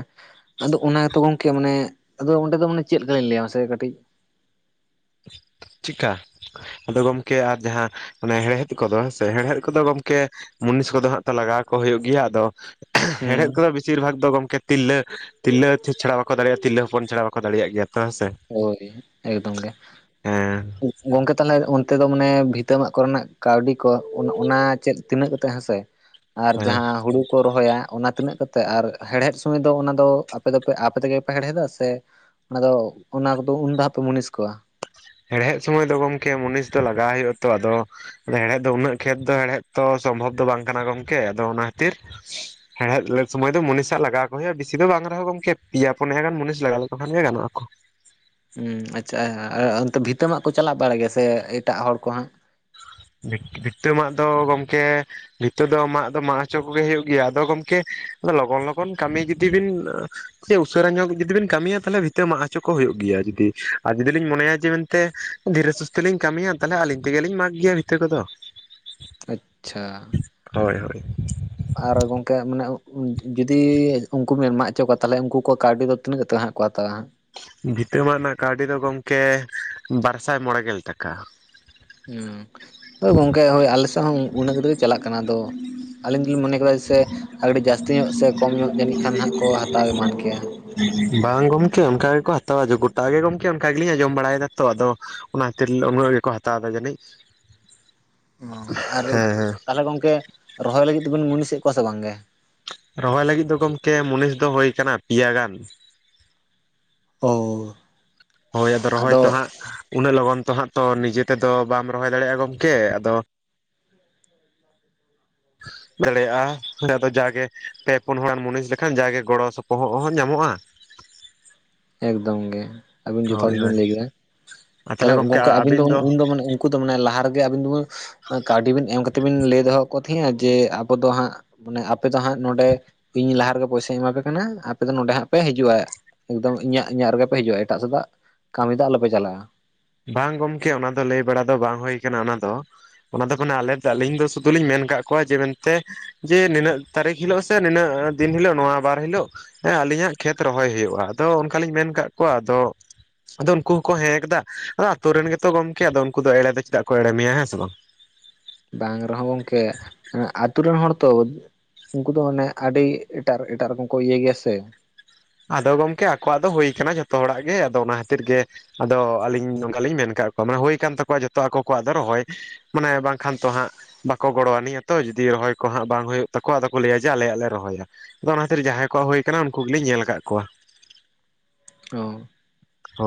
ᱟᱫᱚ ᱚᱱᱟ ᱜᱮᱛᱚ ᱜᱚᱝᱠᱮ ᱢᱟᱱᱮ ᱟᱫᱚ ᱚᱸᱰᱮ ᱫᱚ ᱢᱟᱱᱮ ᱪᱮᱫ ᱞᱮᱠᱟ ᱞᱤᱧ ᱞᱟᱹᱭᱟ ᱥᱮ ᱠᱟᱹᱴᱤᱡ ᱪᱤᱜᱠᱟ, ᱟᱫᱚ ᱜᱚᱢᱠᱮ ᱟᱨ ᱡᱟᱦᱟᱸ ᱚᱱᱮ ᱦᱮᱲᱦᱮᱫ ᱠᱚᱫᱚ ᱦᱮᱲᱦᱮᱫ ᱠᱚᱫᱚ ᱜᱚᱢᱠᱮ ᱢᱩᱱᱤᱥ ᱠᱚᱫᱚ ᱦᱟᱜ ᱛᱚ ᱞᱟᱜᱟᱣ ᱠᱚ ᱦᱩᱭᱩᱜ ᱜᱮᱭᱟ ᱟᱫᱚ ᱦᱩᱸ ᱦᱮᱲᱦᱮᱫ ᱠᱚᱫᱚ ᱵᱮᱥᱤᱨ ᱵᱷᱟᱜ ᱫᱚ ᱜᱚᱢᱠᱮ ᱛᱤᱨᱞᱟᱹ ᱛᱤᱨᱞᱟᱹ ᱪᱷᱟᱹ-ᱪᱷᱟᱲᱟ ᱵᱟᱠᱚ ᱫᱟᱲᱮᱜᱼᱟ ᱛᱤᱨᱞᱟᱹ ᱦᱚᱯᱚᱱ ᱪᱷᱟᱲᱟ ᱵᱟᱠᱚ ᱫᱟᱲᱮᱭᱟᱜ ᱜᱮᱭᱟ ᱛᱚ ᱦᱮᱸ ᱥᱮ᱾ ᱦᱳᱭ ᱮᱠᱫᱚᱢ ᱜᱮ, ᱦᱮᱸ ᱜᱚᱝᱠᱮ ᱛᱟᱦᱞᱮ ᱩᱱ ᱛᱮᱫ ᱫᱚ ᱢᱟᱱᱮ ᱵᱷᱤᱛᱟᱹ ᱢᱟᱜ ᱠᱚᱨᱮᱱᱟᱜ ᱠᱟᱹᱣᱰᱤ ᱠᱚ ᱚ-ᱚᱱᱟ ᱪᱮᱫ ᱛᱤᱱᱟᱹᱜ ᱠᱟᱛᱮᱜ ᱦᱮᱸᱥᱮ? ᱟᱨ ᱡᱟᱦᱟᱸ ᱦᱩᱲᱩ ᱠᱚ ᱨᱚᱦᱚᱭᱟ ᱚᱱᱟ ᱛᱤᱱᱟᱹᱜ ᱠᱟᱛᱮᱜ ᱟᱨ ᱦᱮᱲᱦᱮᱫ ᱥᱚᱢᱚᱭ ᱫᱚ ᱚᱱᱟ ᱫᱚ ᱟᱯᱮ ᱫᱚ ᱯᱮ ᱟᱯᱮ ᱛᱮᱜᱮ ᱯᱮ ᱦᱮᱲᱦᱮᱫᱟ ᱥᱮ ᱚᱱᱟᱫᱚ ᱚᱱᱟ ᱠᱚᱫᱚ ᱩᱱ ᱫᱷᱟᱣᱯᱮ ᱢᱩᱱᱤᱥ ᱠᱚᱣᱟ? ᱦᱮᱲᱦᱮᱫ ᱥᱚᱢᱚᱭ ᱫᱚ ᱜᱚᱢᱠᱮ ᱢᱩᱱᱤᱥ ᱫᱚ ᱞᱟᱜᱟᱣ ᱦᱩᱭᱩᱜᱼᱟ ᱛᱚ ᱟᱫᱚ ᱟᱫᱚ ᱦᱮᱲᱦᱮᱫ ᱫᱚ ᱩᱱᱟᱹᱜ ᱠᱷᱮᱛ ᱫᱚ ᱦᱮᱲᱦᱮᱫ ᱛᱚ ᱥᱚᱢᱵᱷᱚᱵ ᱫᱚ ᱵᱟᱝ ᱠᱟᱱᱟ ᱜᱚᱝᱠᱮ ᱟᱫᱚ ᱚᱱᱟ ᱠᱷᱟᱹᱛᱤᱨ ᱦᱮᱲᱦᱮᱫ ᱥᱚᱢᱚᱭ ᱫᱚ ᱢᱩᱱᱤᱥᱟᱜ ᱞᱟᱜᱟᱣ ᱠᱚ ᱦᱩᱭᱩᱜᱼᱟ ᱵᱮᱥᱤ ᱫᱚ ᱵᱟᱝ ᱨᱮᱦᱚᱸ ᱜᱚᱝᱠᱮ ᱯᱮᱭᱟ ᱯᱩᱱᱭᱟ ᱜᱟᱱ ᱢᱩᱱᱤᱥ ᱞᱟᱜᱟᱣ ᱞᱮᱠᱚ ᱠᱷᱟᱱ ᱜᱮ ᱜᱟᱱᱚᱜᱼᱟ ᱠᱚ᱾ ᱩᱸ ᱟᱪᱪᱷᱟ ᱚᱱᱛᱮ ᱵᱷᱤᱛᱟᱹ ᱢᱟᱜ ᱠᱚ ᱪᱟᱞᱟᱜ ᱵᱟᱲᱟᱭ ᱜᱮᱭᱟ ᱥᱮ ᱮᱴᱟᱜ ᱦᱚᱲ ᱠᱚ ᱦᱟᱸᱜ? ᱵᱷᱤ-ᱵᱷᱤᱛᱟᱹ ᱢᱟᱜ ᱫᱚ ᱜᱚᱢᱠᱮ ᱵᱷᱤᱛᱟᱹ ᱫᱚ ᱢᱟᱜ ᱫᱚ ᱢᱟᱜ ᱦᱚᱪᱚ ᱠᱚᱜᱮ ᱦᱩᱭᱩᱜ ᱜᱮᱭᱟ ᱟᱫᱚ ᱜᱚᱢᱠᱮ ᱞᱚᱜᱚᱱ ᱞᱚᱜᱚᱱ ᱠᱟᱹᱢᱤ ᱡᱩᱫᱤ ᱵᱤᱱ ᱥᱮ ᱩᱥᱟᱹᱨᱟ ᱧᱚᱜ ᱡᱩᱫᱤ ᱵᱤᱱ ᱠᱟᱹᱢᱤᱭᱟ ᱛᱟᱦᱞᱮ ᱵᱷᱤᱛᱟᱹ ᱢᱟᱜ ᱦᱚᱪᱚ ᱠᱚ ᱦᱩᱭᱩᱜ ᱜᱮᱭᱟ ᱡᱩᱫᱤ ᱟᱨ ᱡᱩᱫᱤ ᱵᱤᱱ ᱢᱚᱱᱮᱭᱟ ᱡᱮ ᱢᱮᱱᱛᱮ ᱫᱷᱤᱨᱮ ᱥᱩᱥᱛᱮ ᱞᱤᱧ ᱠᱟᱹᱢᱤᱭᱟ ᱛᱟᱞᱦᱮ ᱟᱹᱞᱤᱧ ᱛᱮᱜᱮᱞᱤᱧ ᱢᱟᱜ ᱜᱮᱭᱟ ᱵᱷᱤᱛᱟᱹ ᱠᱚᱫᱚ᱾ ᱟᱪᱪᱷᱟ᱾ ᱦᱳᱭ ᱦᱳᱭ᱾ ᱟᱨ ᱜᱚᱝᱠᱮ ᱢᱟᱱᱮ ᱡᱩᱫᱤ ᱩᱝᱠᱩ ᱵᱮᱱ ᱢᱟᱜ ᱚᱪᱚ ᱠᱚᱣᱟ ᱛᱟᱞᱦᱮ ᱩᱝᱠᱩ ᱠᱚᱣᱟᱜ ᱠᱟᱹᱣᱰᱤ ᱫᱚ ᱛᱤᱱᱟᱹᱜ ᱠᱟᱛᱮ ᱦᱟᱸᱜ ᱠᱚ ᱦᱟᱛᱟᱣᱟ ᱦᱟᱸᱜ? ᱵᱷᱤᱛᱟᱹ ᱢᱟᱜ ᱱᱟᱜ ᱠᱟᱹᱣᱰᱤ ᱫᱚ ᱜᱚᱝᱠᱮ ᱵᱟᱨ ᱥᱟᱭ ᱢᱚᱸᱬᱮ ᱜᱮᱞ ᱴᱟᱠᱟ᱾ ᱦᱩᱸ ᱦᱳᱭ ᱜᱚᱝᱠᱮ ᱦᱳᱭ ᱟᱞᱮ ᱥᱮᱜ ᱦᱚᱸ ᱩ-ᱩᱱᱟᱹᱜ ᱠᱟᱛᱮ ᱞᱮ ᱪᱟᱞᱟᱜ ᱠᱟᱱᱟ ᱟᱫᱚ ᱟᱹᱞᱤᱧ ᱫᱚᱞᱤᱧ ᱢᱚᱱᱮ ᱠᱮᱫᱟ ᱡᱮᱥᱮ ᱟ ᱠᱟᱹᱴᱤᱡ ᱡᱟᱹᱥᱛᱤ ᱧᱚᱜ ᱥᱮ ᱠᱚᱢ ᱧᱚᱜ ᱡᱟᱹᱱᱤᱡ ᱠᱷᱟᱱ ᱦᱟᱸᱜ ᱠᱚ ᱦᱟᱛᱟᱣ ᱮᱢᱟᱱ ᱠᱮᱭᱟ᱾ ᱵᱟᱝ ᱜᱚᱢᱠᱮ ᱚᱱᱠᱟ ᱜᱮᱠᱚ ᱦᱟᱛᱟᱣᱟ ᱜᱚᱴᱟ ᱜᱮ ᱜᱚᱢᱠᱮ ᱚᱝᱠᱟ ᱜᱮᱞᱤᱧ ᱟᱸᱡᱚᱢ ᱵᱟᱲᱟᱭᱫᱟ ᱛᱚ ᱟᱫᱚ ᱚᱱᱟ ᱠᱷᱟᱹᱛᱤᱨ ᱩᱱᱟᱹᱜ ᱜᱮᱠᱚ ᱦᱟᱛᱟᱣᱫᱟ ᱡᱟᱹᱱᱤᱡ᱾ ᱚ ᱟᱨ ᱦᱮᱸ ᱦᱮᱸ ᱛᱟᱦᱞᱮ ᱜᱚᱝᱠᱮ ᱨᱚᱦᱚᱭ ᱞᱟᱹᱜᱤᱫ ᱫᱚᱵᱤᱱ ᱢᱩᱱᱤᱥᱮᱜ ᱠᱚᱣᱟ ᱥᱮ ᱵᱟᱝᱜᱮ? ᱨᱚᱦᱚᱭ ᱞᱟᱹᱜᱤᱫ ᱫᱚ ᱜᱚᱢᱠᱮ ᱢᱩᱱᱤᱥ ᱫᱚ ᱦᱳᱭ ᱠᱟᱱᱟ ᱯᱮᱭᱟ ᱜᱟᱱ᱾ ᱚ ᱦᱳᱭ ᱟᱫᱚ ᱨᱚᱦᱚᱭ ᱛᱚ ᱦᱟᱸᱜ ᱩᱱᱟᱹᱜ ᱞᱚᱜᱚᱱ ᱛᱚ ᱦᱟᱸᱜ ᱛᱚ ᱱᱤᱡᱮ ᱛᱮᱫᱚ ᱵᱟᱢ ᱨᱚᱦᱚᱭ ᱫᱟᱲᱮᱜᱼᱟ ᱜᱚᱝᱠᱮ ᱟᱫᱚ <inaudible> ᱫᱟᱲᱮᱭᱟᱜᱼᱟ <inaudible> ᱡᱟᱜᱮ ᱯᱮ ᱯᱩᱱ ᱦᱚᱲᱮᱢ ᱢᱩᱱᱤᱥ ᱞᱮᱠᱷᱟᱱ ᱡᱟᱜᱮ ᱜᱚᱲᱚ ᱥᱚᱯᱚᱦᱚᱜ ᱦᱚᱸ ᱧᱟᱢᱚᱜᱼᱟ᱾ <inaudible> ᱮᱠᱫᱚᱢ ᱜᱮ ᱟᱵᱤᱱ ᱡᱚᱛᱷᱟᱛ ᱦᱳᱭ ᱵᱤᱱ ᱦᱳᱭ ᱞᱟᱹᱭ ᱠᱟᱫᱟ ᱟᱨ ᱛᱟᱦᱚᱞᱮ ᱛᱟᱦᱞᱮ ᱜᱚᱢᱠᱮ ᱜᱚᱝᱠᱮ ᱟᱵᱤᱱ ᱫᱚ ᱟᱹᱵᱤᱱ ᱩᱸ ᱩᱱᱫᱚ ᱢᱟᱱᱮ ᱠᱩ ᱫᱚ ᱢᱟᱱᱮ ᱞᱟᱦᱟ ᱨᱮᱜᱮ ᱟᱵᱤᱱ ᱫᱚᱵᱤᱱ ᱠᱟᱹᱣᱰᱤ ᱵᱤᱱ ᱮᱢ ᱠᱟᱛᱮ ᱵᱤᱱ ᱞᱟᱹᱭ ᱫᱚᱦᱚᱣᱟᱜ ᱠᱚ ᱛᱟᱦᱮᱸᱜᱼᱟ ᱡᱮ ᱟᱵᱚ ᱫᱚ ᱦᱟᱸᱜ ᱢᱟᱱᱮ ᱟᱯᱮ ᱫᱚ ᱦᱟᱸᱜ ᱱᱚᱸᱰᱮ ᱤᱧ ᱞᱟᱦᱟ ᱨᱮᱜᱮ ᱯᱚᱭᱥᱟᱧ ᱮᱢᱟᱯᱮ ᱠᱟᱱᱟ ᱟᱯᱮ ᱫᱚ ᱱᱚᱸᱰᱮ ᱦᱟᱸᱜ ᱯᱮ ᱦᱤᱡᱩᱜᱼᱟ᱾ ᱮᱠᱫᱚᱢ ᱤᱧᱟᱹᱜ ᱤᱧᱟᱹᱜ ᱨᱮᱜᱮ ᱯᱮ ᱦᱤᱡᱩᱜᱼᱟ ᱮᱴᱟᱜ ᱥᱮᱫ ᱫᱚ ᱠᱟᱹᱢᱤ ᱫᱚ ᱟᱞᱚᱯᱮ ᱪᱟᱞᱟᱜᱼᱟ᱾ ᱵᱟᱝ ᱜᱚᱢᱠᱮ ᱚᱱᱟ ᱫᱚ ᱞᱟᱹᱭ ᱵᱟᱲᱟ ᱫᱚ ᱵᱟᱝ ᱦᱩᱭ ᱠᱟᱱᱟ ᱚᱱᱟ ᱫᱚ᱾ ᱚᱱᱟ ᱫᱚ ᱠᱟᱱᱟ ᱟᱞᱮ ᱫᱚ ᱟᱹᱞᱤᱧ ᱫᱚ ᱥᱩᱫᱷᱩ ᱞᱤᱧ ᱢᱮᱱ ᱠᱟᱜ ᱠᱚᱣᱟ ᱡᱮ ᱢᱮᱱᱛᱮ ᱡᱮ ᱱᱤᱱᱟᱹᱜ ᱛᱟᱹᱨᱤᱠᱷ ᱦᱤᱞᱟᱹᱜ ᱥᱮ ᱱᱤᱱᱟᱹᱜ ᱫᱤᱱ ᱦᱤᱞᱟᱹᱜ ᱱᱚᱣᱟ ᱵᱟᱨ ᱦᱤᱞᱟᱹᱜ ᱮᱸ ᱟᱸᱞᱤᱧᱟᱜ ᱠᱷᱮᱛ ᱨᱚᱦᱚᱭ ᱦᱩᱭᱩᱜᱼᱟ, ᱟᱫᱚ ᱚᱱᱠᱟᱞᱤᱧ ᱢᱮᱱ ᱠᱟᱜ ᱠᱚᱣᱟ ᱟᱫᱚ ᱟᱫᱚ ᱩᱱᱠᱩ ᱦᱚᱸᱠᱚ ᱦᱮᱸᱭ ᱠᱟᱫᱟ, ᱟᱫᱚ ᱟᱛᱩ ᱨᱮᱱ ᱜᱮᱛᱚ ᱜᱚᱝᱠᱮ ᱟᱫᱚ ᱩᱝᱠᱩ ᱫᱚ ᱮᱲᱮ ᱫᱚ ᱪᱮᱫᱟᱜ ᱠᱚ ᱮᱲᱮ ᱢᱮᱭᱟ ᱦᱮᱸ ᱥᱮ ᱵᱟᱝ? ᱵᱟᱝ ᱨᱮᱦᱚᱸ ᱜᱚᱝᱠᱮ ᱮᱸ ᱟᱹᱛᱩ ᱨᱮᱱ ᱦᱚᱲ ᱛᱚ ᱩᱝᱠᱩ ᱫᱚ ᱢᱟᱱᱮ ᱟᱹᱰᱤ ᱮᱴᱟᱜ ᱮᱴᱟᱜ ᱨᱚᱠᱚᱢ ᱠᱚ ᱤᱭᱟᱹ ᱜᱮᱭᱟ ᱥᱮ᱾ ᱟᱫᱚ ᱜᱚᱝᱠᱮ ᱟᱠᱚᱣᱟᱜ ᱫᱚ ᱦᱩᱭ ᱠᱟᱱᱟ ᱡᱷᱚᱛᱚ ᱦᱚᱲᱟᱜ ᱜᱮ ᱟᱫᱚ ᱚᱱᱟ ᱠᱷᱟᱹᱛᱤᱨ ᱜᱮ ᱟᱫᱚ ᱟᱹᱞᱤᱧ ᱱᱚᱝᱠᱟᱞᱤᱧ ᱢᱮᱱ ᱠᱟᱜ ᱠᱚᱣᱟ ᱢᱟ ᱦᱩᱭ ᱠᱟᱱ ᱛᱟᱠᱚᱣᱟ ᱡᱚᱛᱚ ᱟᱠᱚ ᱠᱚᱣᱟᱜ ᱫᱚ ᱨᱚᱦᱚᱭ᱾ ᱢᱟᱱᱮ ᱵᱟᱝᱠᱷᱟᱱ ᱛᱚ ᱦᱟᱸᱜ ᱵᱟᱠᱚ ᱜᱚᱲᱚ ᱟᱱᱤᱡ ᱟᱛᱚ ᱡᱩᱫᱤ ᱨᱚᱦᱚᱭ ᱠᱚ ᱦᱟᱸᱜ ᱵᱟᱝ ᱦᱩᱭᱩᱜ ᱛᱟᱠᱚᱣᱟ ᱟᱫᱚ ᱠᱚ ᱞᱟᱹᱭᱟ ᱡᱮ ᱟᱞᱮᱭᱟᱜ ᱞᱮ ᱨᱚᱦᱚᱭ ᱮᱫᱟ᱾ ᱟᱫᱚ ᱚᱱᱟ ᱠᱷᱟᱹᱛᱤᱨ ᱡᱟᱦᱟᱸᱭ ᱠᱚᱣᱟᱜ ᱦᱩᱭ ᱟᱠᱟᱱᱟ ᱩᱱᱠᱩ ᱜᱮᱞᱤᱧ ᱧᱮᱞ ᱠᱟᱫ ᱠᱚᱣᱟ᱾ ᱚ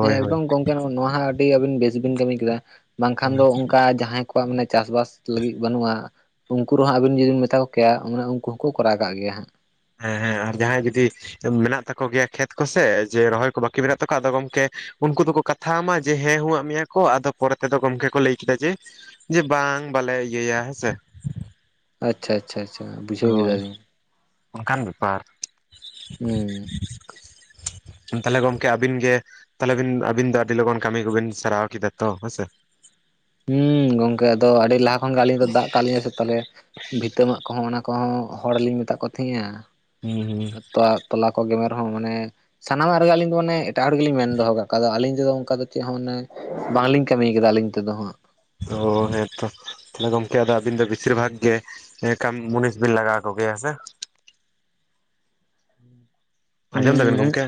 ᱦᱮᱸ ᱦᱳᱭ ᱮᱠᱫᱚᱢ ᱜᱚᱝᱠᱮ ᱱᱚᱜ-ᱱᱚᱣᱟ ᱦᱚᱸ ᱟᱹᱰᱤ ᱟᱹᱵᱤᱱ ᱵᱮᱥ ᱵᱤᱱ ᱠᱟᱹᱢᱤ ᱠᱮᱫᱟ ᱵᱟᱝᱠᱷᱟᱱ ᱫᱚᱼᱼ ᱚᱱᱠᱟ ᱡᱟᱦᱟᱸᱭ ᱠᱚᱣᱟᱜ ᱢᱟᱱᱮ ᱪᱟᱥᱵᱟᱥ ᱞᱟᱹᱜᱤᱫ ᱵᱟᱹᱱᱩᱜ-ᱟᱼᱼ ᱩᱱᱠᱩ ᱨᱮᱦᱚᱸ ᱟᱵᱤᱱ ᱡᱩᱫᱤᱢ ᱢᱮᱛᱟ ᱠᱚ ᱠᱮᱭᱟ ᱢᱟᱱᱮ ᱩᱱᱠᱩ ᱦᱚᱸᱠᱚ ᱠᱚᱨᱟᱣ ᱠᱟᱜ ᱜᱮᱭᱟ ᱦᱟᱸᱜ᱾ ᱦᱮᱸ ᱦᱮᱸ ᱟᱨ ᱡᱟᱦᱟᱸᱭ ᱡᱩᱫᱤᱼᱼ ᱢᱮᱱᱟᱜ ᱛᱟᱠᱚ ᱜᱮᱭᱟ ᱠᱷᱮᱛ ᱠᱚ ᱥᱮ ᱡᱮ ᱨᱚᱦᱚᱭ ᱠᱚ ᱵᱟᱠᱤ ᱢᱮᱱᱟᱜ ᱛᱟᱠᱚᱣᱟ ᱟᱫᱚ ᱜᱚᱝᱠᱮ ᱩᱱᱠᱩ ᱫᱚᱠᱚ ᱠᱟᱛ ᱠᱟᱛᱷᱟᱣ ᱟᱢᱟ ᱡᱮ ᱦᱮᱸ ᱦᱩᱸᱣᱟᱜ ᱢᱮᱭᱟ ᱠᱚ ᱟᱫᱚ ᱯᱚᱨᱮ ᱛᱮᱫᱚ ᱜᱚᱢᱠᱮ ᱠᱚ ᱞᱟᱹᱭ ᱠᱮᱫᱟ ᱡᱮ ᱡᱮ ᱵᱟᱝ ᱵᱟᱞᱮ ᱤᱭᱟᱹᱭᱟ ᱦᱮᱸ ᱥᱮ᱾ ᱟᱪᱪᱷᱟ ᱟᱪᱪᱷᱟ ᱟᱪᱪᱷᱟ ᱵᱩᱡᱷᱟᱹᱣ ᱦᱳᱭ ᱠᱮᱫᱟᱤᱧ᱾ ᱚᱱᱠᱟᱱ ᱵᱮᱯᱟᱨ᱾ ᱦᱩᱸ᱾ ᱛᱟᱞᱦᱮ ᱜᱚᱢᱠᱮ ᱟᱹᱵᱤᱱ ᱜᱮ ᱛᱟᱞᱦᱮ ᱵᱤᱱ ᱟᱵᱤᱱ ᱫᱚ ᱟᱹᱰᱤ ᱞᱚᱜᱚᱱ ᱠᱟᱹᱢᱤ ᱠᱚᱵᱤᱱ ᱥᱟᱨᱟᱣ ᱠᱮᱫᱟ ᱛᱚ ᱦᱮᱸᱥᱮ? ᱦᱩᱸ ᱜᱚᱝᱠᱮ ᱟᱫᱚ ᱟᱹᱰᱤ ᱞᱟᱦᱟ ᱠᱷᱚᱱᱜᱮ ᱟᱹᱞᱤᱧ ᱫᱚ ᱫᱟᱜ ᱠᱟᱜ ᱞᱤᱧᱟᱹ ᱥᱮ ᱛᱟᱞᱦᱮ ᱵᱷᱤᱛᱟᱹ ᱢᱟᱜ ᱠᱚᱦᱚᱸ ᱚᱱᱟ ᱠᱚᱦᱚᱸ ᱦᱚᱲᱞᱤᱧ ᱢᱮᱛᱟᱜ ᱠᱚ ᱛᱮᱦᱮᱸᱜ-ᱟ ᱦᱩᱸ ᱦᱩᱸ ᱛᱚ ᱛᱚᱞᱟ ᱠᱚ ᱜᱮᱢᱮᱨ ᱦᱚᱸ ᱢᱟᱱᱮ ᱥᱟᱱᱟᱢᱟᱜ ᱨᱮᱜᱮ ᱟᱞᱤᱧ ᱫᱚ ᱢᱟᱱᱮ ᱮᱴᱟᱜ ᱦᱚᱲ ᱜᱮᱞᱤᱧ ᱢᱮᱱ ᱫᱚᱦᱚ ᱟᱠᱟᱜ ᱠᱚᱣᱟ ᱟᱫᱚ ᱟᱞᱤᱧ ᱛᱮᱫᱚ ᱚᱱᱠᱟ ᱫᱚ ᱪᱮᱫ ᱦᱚᱸ ᱢᱟᱱᱮ ᱵᱟᱝᱞᱤᱧ ᱠᱟᱢᱤ ᱟᱠᱟᱫᱟ ᱟᱹᱞᱤᱧ ᱛᱮᱫᱚ ᱦᱟᱸᱜ᱾ ᱚ ᱦᱮᱸᱛᱚ ᱛᱟᱞᱦᱮ ᱜᱚᱢᱠᱮ ᱟᱫᱚ ᱵᱮᱥᱤᱨ ᱵᱷᱟᱜᱽ ᱜᱮ ᱮ ᱠᱟᱢ ᱢᱩᱱᱤᱥ ᱵᱤᱱ ᱞᱟᱜᱟᱣ ᱠᱚᱜᱮᱭᱟ ᱦᱮ ᱥᱮ? ᱦᱩᱸ ᱟᱸᱡᱚᱢ ᱫᱟᱵᱮᱱ ᱦᱩᱸ ᱜᱚᱢᱠᱮ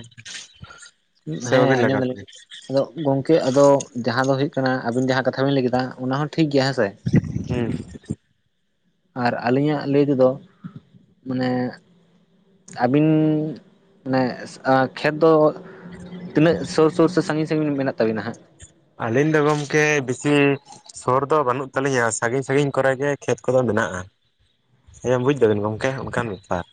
ᱥᱮ ᱦᱮᱸ ᱵᱟᱵᱤᱱ ᱟᱸᱡᱚᱢ ᱞᱟᱜᱟᱣ ᱠᱚᱣᱟ? ᱫᱟᱞᱤᱧ ᱟᱫᱚ ᱜᱚᱝᱠᱮ ᱟᱫᱚ ᱡᱟᱦᱟᱸ ᱫᱚ ᱦᱩᱭᱩᱜ ᱠᱟᱱᱟ ᱟᱵᱤᱱ ᱡᱟᱦᱟᱸ ᱠᱟᱛᱷᱟ ᱵᱤᱱ ᱞᱟᱹᱭ ᱠᱮᱫᱟ ᱚᱱᱟ ᱦᱚᱸ ᱴᱷᱤᱠᱜᱮᱭᱟ ᱦᱮᱸᱥᱮ ᱾ ᱦᱩᱸ᱾ ᱟᱨ ᱟᱞᱤᱧᱟᱜ ᱞᱟᱹᱭ ᱛᱮᱫᱚ ᱢᱟᱱᱮ ᱟᱵᱤᱱ ᱱᱮᱥ ᱟᱨ ᱠᱷᱮᱛ ᱫᱚ ᱛᱤᱱᱟᱹᱜ ᱥᱳᱨ ᱥᱳᱨ ᱥᱮ ᱥᱟᱸᱜᱤᱧ ᱥᱟᱸᱜᱤᱧ ᱢᱮᱱᱟᱜ ᱛᱟᱵᱤᱱᱟ ᱦᱟᱸᱜ? ᱟᱞᱤᱧ ᱫᱚ ᱜᱚᱢᱠᱮ ᱵᱤᱥᱤ ᱥᱳᱨ ᱫᱚ ᱵᱟᱹᱱᱩᱜ ᱛᱟᱞᱤᱧᱟ ᱥᱟᱸᱜᱤᱧ ᱥᱟᱸᱜᱤᱧ ᱠᱚᱨᱮ ᱜᱮ ᱠᱷᱮᱛ ᱠᱚᱫᱚ ᱢᱮᱱᱟᱜ-ᱟ᱾ ᱦᱮᱸ ᱵᱩᱡᱽ ᱫᱟᱵᱮᱱ ᱜᱚᱝᱠᱮ ᱚᱱᱠᱟᱱ ᱵᱮᱯᱟᱨ ᱾